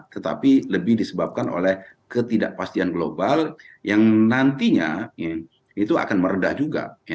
tetapi lebih disebabkan oleh ketidakpastian global yang nantinya itu akan meredah juga